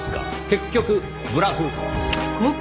結局ブラフ。